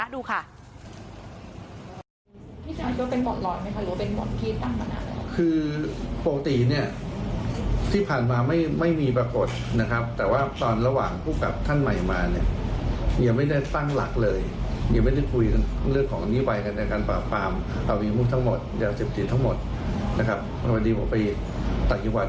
เดี๋ยวลองฟังเสียงคุณศิราดูค่ะ